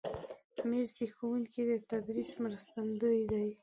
مېز د ښوونکي د تدریس مرستندوی دی.